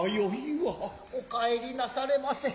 お帰りなされませ。